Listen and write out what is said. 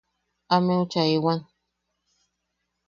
Ameu chaaewan.